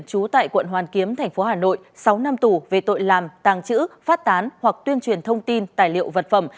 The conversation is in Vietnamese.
trú tại quận hoàn kiếm tp hà nội sáu năm tù về tội làm tàng chữ phát tán hoặc tuyên truyền thông tin tài liệu vật phẩm